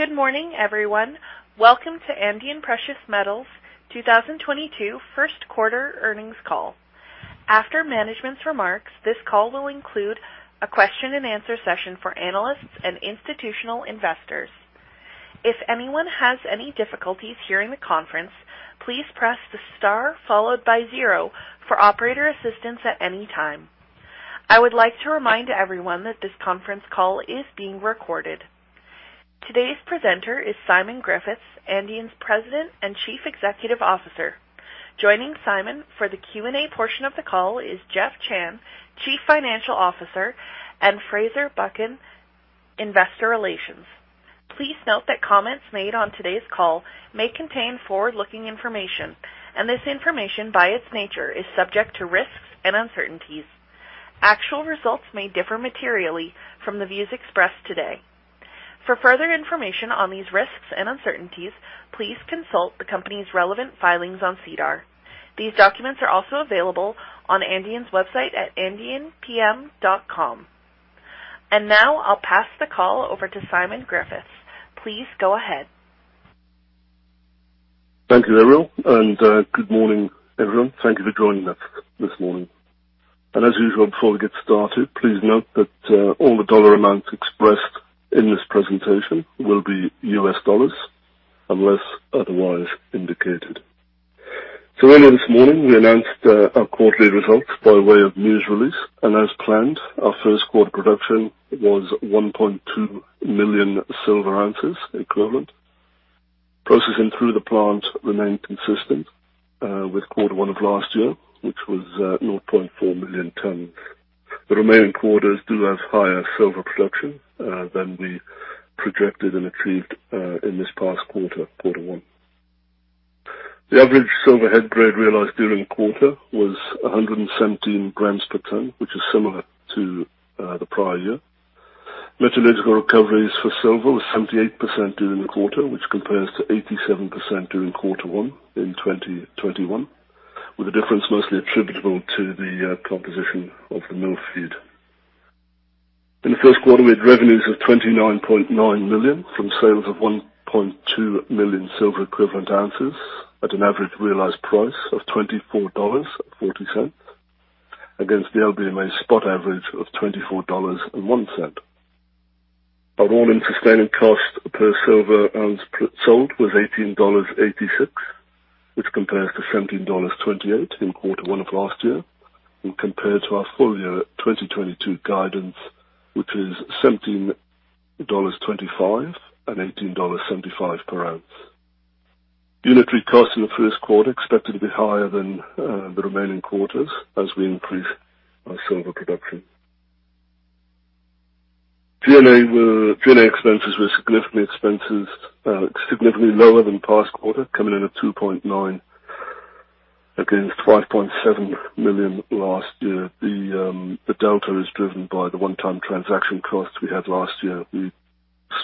Good morning, everyone. Welcome to Andean Precious Metals 2022 First Quarter Earnings Call. After management's remarks, this call will include a question-and-answer session for analysts and institutional investors. If anyone has any difficulties hearing the conference, please press the star followed by zero for operator assistance at any time. I would like to remind everyone that this conference call is being recorded. Today's presenter is Simon Griffiths, Andean's President and Chief Executive Officer. Joining Simon for the Q&A portion of the call is Jeff Chan, Chief Financial Officer, and Fraser Buchan, Investor Relations. Please note that comments made on today's call may contain forward-looking information, and this information, by its nature, is subject to risks and uncertainties. Actual results may differ materially from the views expressed today. For further information on these risks and uncertainties, please consult the company's relevant filings on SEDAR. These documents are also available on Andean's website at andeanpm.com. Now, I'll pass the call over to Simon Griffiths. Please go ahead. Thank you, Ariel, and, good morning, everyone. Thank you for joining us this morning. As usual, before we get started, please note that, all the dollar amounts expressed in this presentation will be U.S. dollars unless otherwise indicated. Earlier this morning, we announced, our quarterly results by way of news release, and as planned, our first quarter production was 1.2 million silver equivalent ounces. Processing through the plant remained consistent with quarter one of last year, which was 0.4 million tons. The remaining quarters do have higher silver production than we projected and achieved in this past quarter one. The average silver head grade realized during the quarter was 117 grams per tonne, which is similar to the prior year. Metallurgical recoveries for silver was 78% during the quarter, which compares to 87% during quarter one in 2021, with the difference mostly attributable to the composition of the mill feed. In the first quarter, we had revenues of $29.9 million from sales of 1.2 million silver equivalent ounces at an average realized price of $24.40 against the LBMA spot average of $24.01. Our all-in sustaining cost per silver ounce sold was $18.86, which compares to $17.28 in quarter one of last year and compared to our full year 2022 guidance, which is $17.25-$18.75 per ounce. Unitary costs in the first quarter expected to be higher than the remaining quarters as we increase our silver production. G&A expenses were significantly lower than past quarter, coming in at $2.9 million against $5.7 million last year. The delta is driven by the one-time transaction costs we had last year. We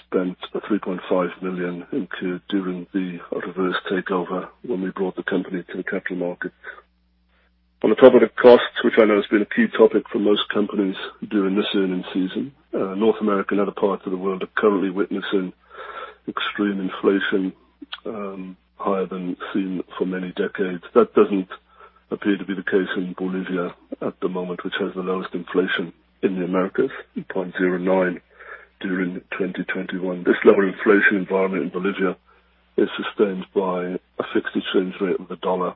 spent $3.5 million incurred during the reverse takeover when we brought the company to the capital markets. On the topic of costs, which I know has been a key topic for most companies during this earnings season, North America and other parts of the world are currently witnessing extreme inflation, higher than seen for many decades. That doesn't appear to be the case in Bolivia at the moment, which has the lowest inflation in the Americas, at 0.09% during 2021. This lower inflation environment in Bolivia is sustained by a fixed exchange rate of the dollar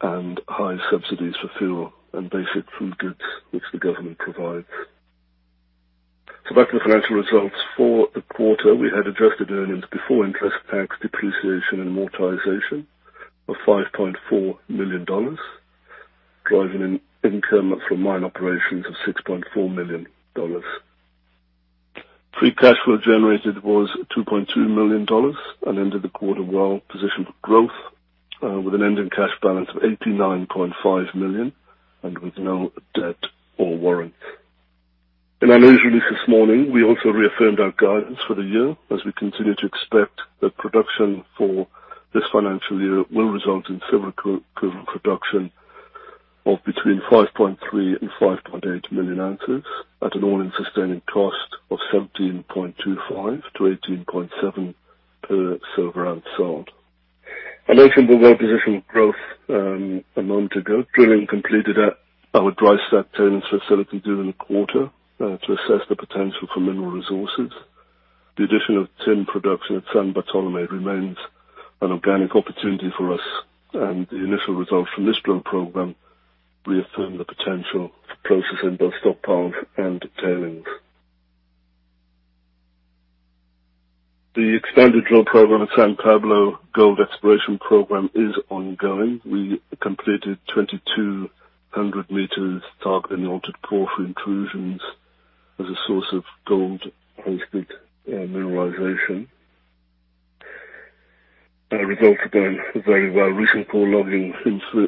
and high subsidies for fuel and basic food goods which the government provides. Back to the financial results. For the quarter, we had adjusted earnings before interest, tax, depreciation, and amortization of $5.4 million, driving an income from mine operations of $6.4 million. Free cash flow generated was $2.2 million and ended the quarter well-positioned for growth, with an ending cash balance of $89.5 million and with no debt or warrants. In our news release this morning, we also reaffirmed our guidance for the year as we continue to expect that production for this financial year will result in silver equivalent production of between 5.3 million and 5.8 million ounces at an all-in sustaining cost of $17.25-$18.70 per silver ounce sold. I mentioned we're well-positioned for growth a moment ago. Drilling completed at our dry stack tailings facility during the quarter to assess the potential for mineral resources. The addition of tin production at San Bartolomé remains an organic opportunity for us, and the initial results from this drill program reaffirm the potential for processing both stockpiles and tailings. The expanded drill program at San Pablo gold exploration program is ongoing. We completed 2,200 meters targeting altered porphyry intrusions as a source of gold-hosted mineralization. Results have been very well. Recent core logging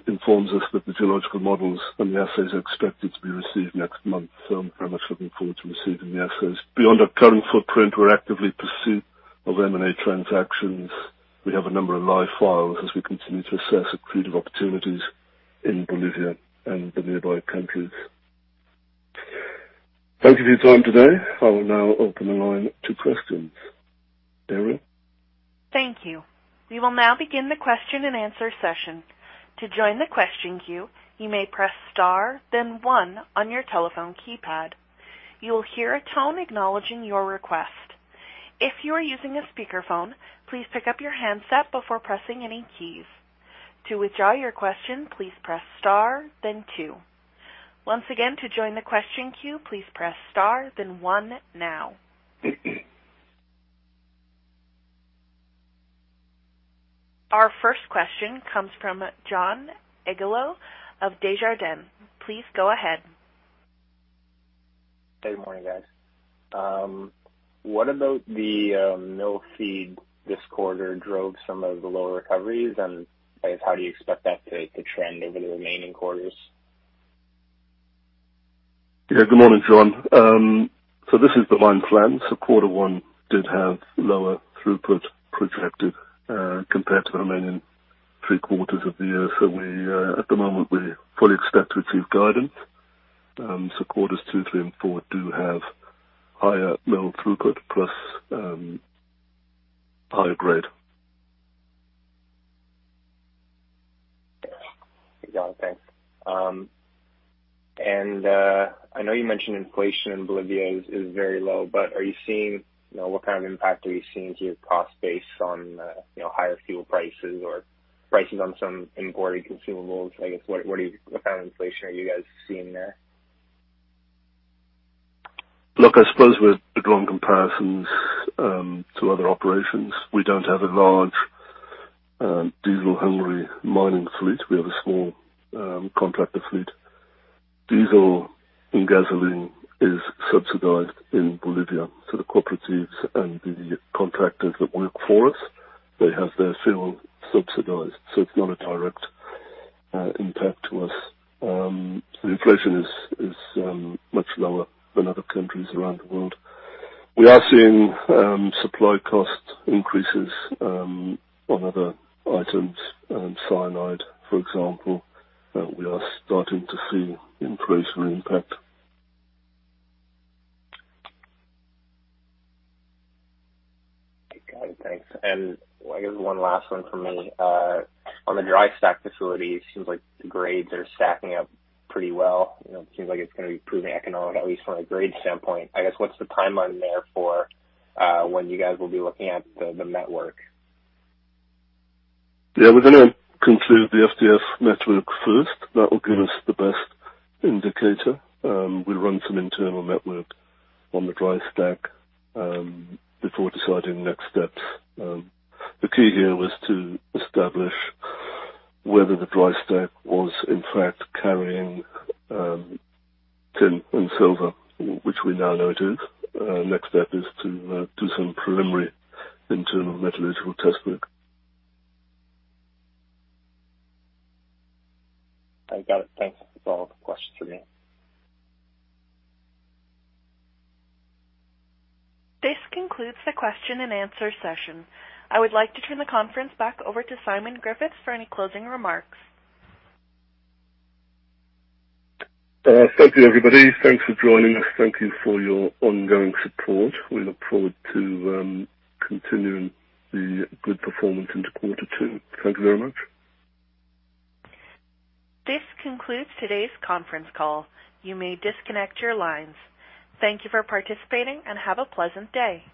informs us that the geological models and the assays are expected to be received next month, so I'm very much looking forward to receiving the assays. Beyond our current footprint, we're actively in pursuit of M&A transactions. We have a number of live files as we continue to assess accretive opportunities in Bolivia and the nearby countries. Thank you for your time today. I will now open the line to questions. Daryl. Thank you. We will now begin the question and answer session. To join the question queue, you may press star then one on your telephone keypad. You will hear a tone acknowledging your request. If you are using a speakerphone, please pick up your handset before pressing any keys. To withdraw your question, please press star then two. Once again, to join the question queue, please press star then one now. Our first question comes from John Iglio of Desjardins. Please go ahead. Good morning, guys. What about the mill feed this quarter drove some of the lower recoveries? I guess how do you expect that to trend over the remaining quarters? Yeah. Good morning, John. This is the mine plan. Quarter one did have lower throughput projected, compared to the remaining three quarters of the year. We at the moment fully expect to achieve guidance. Quarters two, three and four do have higher mill throughput plus higher grade. Got it. Thanks. I know you mentioned inflation in Bolivia is very low, but are you seeing, you know, what kind of impact are you seeing to your cost base on, you know, higher fuel prices or prices on some imported consumables? I guess, what kind of inflation are you guys seeing there? Look, I suppose we're drawing comparisons to other operations. We don't have a large diesel hungry mining fleet. We have a small contractor fleet. Diesel and gasoline is subsidized in Bolivia. The cooperatives and the contractors that work for us, they have their fuel subsidized, so it's not a direct impact to us. The inflation is much lower than other countries around the world. We are seeing supply cost increases on other items. Cyanide, for example, we are starting to see inflationary impact. Got it. Thanks. I guess one last one for me. On the dry stack facility, it seems like the grades are stacking up pretty well. You know, it seems like it's gonna be proven economic, at least from a grade standpoint. I guess, what's the timeline there for when you guys will be looking at the network? Yeah, we're gonna conclude the FDF network first. That will give us the best indicator. We'll run some internal network on the dry stack before deciding next steps. The key here was to establish whether the dry stack was in fact carrying tin and silver, which we now know it is. Next step is to do some preliminary internal metallurgical test work. I got it. Thanks. That's all the questions for me. This concludes the question and answer session. I would like to turn the conference back over to Simon Griffiths for any closing remarks. Thank you, everybody. Thanks for joining us. Thank you for your ongoing support. We look forward to continuing the good performance into quarter two. Thank you very much. This concludes today's conference call. You may disconnect your lines. Thank you for participating and have a pleasant day.